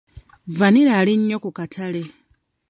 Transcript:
Vvanira ali nnyo ku katale.